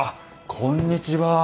こんにちは。